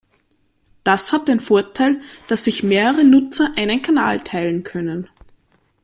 Das hat den Vorteil, dass sich mehrere Nutzer einen Kanal teilen können.